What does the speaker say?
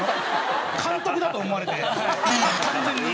監督だと思われて完全に。